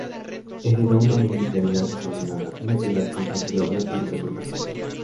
Heredó una municipalidad desordenada, una ciudad con falta de obras y muchas otras cosas.